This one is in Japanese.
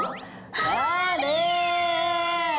あれ！